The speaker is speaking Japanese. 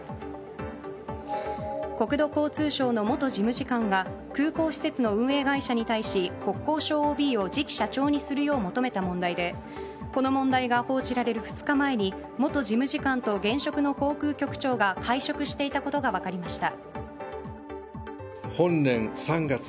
国土交通省の元事務次官が空港施設の運営会社に対し国交省ＯＢを次期社長にするよう求めた問題でこの問題が報じられる２日前に元事務次官と現職の航空局長が会食していたことが分かりました。